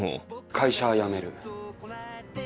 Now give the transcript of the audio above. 会社辞める。